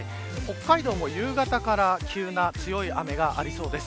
北海道も夕方から急な強い雨がありそうです。